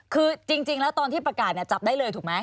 คือจริงแล้วตอนที่ประกาศจับได้เลยถูกไหม